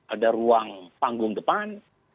ada ruang panggung depan